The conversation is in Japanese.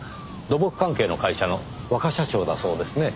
土木関係の会社の若社長だそうですね。